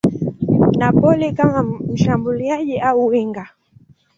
Napoli kama mshambuliaji au winga.